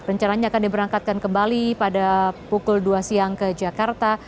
dan rencananya akan diberangkatkan kembali pada pukul dua siang ke jakarta